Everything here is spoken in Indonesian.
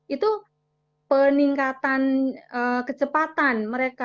itu peningkatan kecepatan mereka